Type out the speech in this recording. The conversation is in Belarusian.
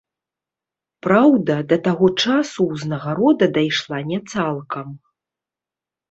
Праўда, да таго часу ўзнагарода дайшла не цалкам.